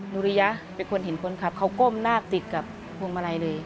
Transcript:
ริยะเป็นคนเห็นคนขับเขาก้มหน้าติดกับพวงมาลัยเลย